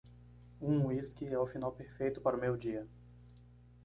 Um uísque é o final perfeito para o meu dia.